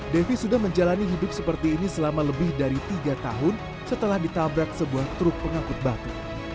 devi sudah menjalani hidup seperti ini selama lebih dari tiga tahun setelah ditabrak sebuah truk pengangkut batu